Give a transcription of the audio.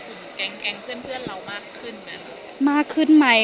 พี่แม่เครงเพื่อนเรามากขึ้นไหม